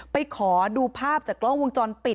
ขอดูภาพจากกล้องวงจรปิด